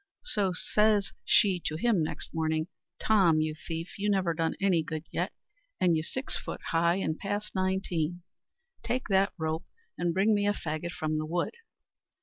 So says she to him next morning, "Tom, you thief, you never done any good yet, and you six foot high, and past nineteen; take that rope and bring me a faggot from the wood."